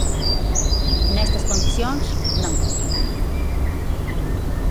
Nestas condicións, non.